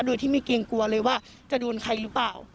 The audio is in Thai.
โดยที่ไม่เกรงกลัวเลยว่าจะโดนใครหรือเปล่า